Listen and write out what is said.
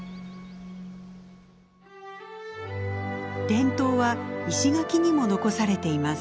伝統は石垣にも残されています。